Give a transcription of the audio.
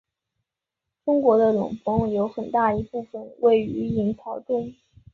中国的冷锋有很大一部分位于隐槽中。